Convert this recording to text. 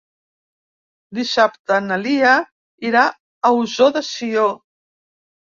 Dissabte na Lia irà a Ossó de Sió.